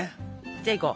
じゃあいこう。